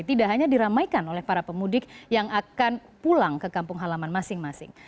tidak hanya diramaikan oleh para pemudik yang akan pulang ke kampung halaman masing masing